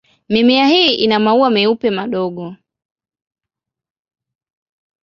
Mimea hii ina maua meupe madogo.